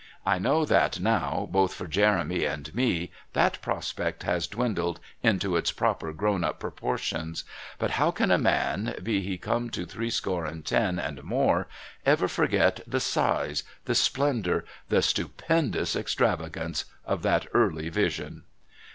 I know that now, both for Jeremy and me, that prospect has dwindled into its proper grown up proportions, but how can a man, be he come to threescore and ten and more, ever forget the size, the splendour, the stupendous extravagance of that early vision?